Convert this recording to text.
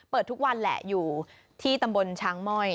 ทุกวันแหละอยู่ที่ตำบลช้างม่อย